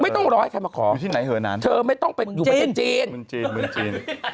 ไม่ต้องรอให้ใครมาขออยู่ที่ไหนเหนานเธอไม่ต้องไปจริงจริงจริง